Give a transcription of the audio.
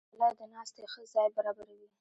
غلۍ د ناستې ښه ځای برابروي.